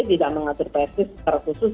tidak mengatur persis secara khusus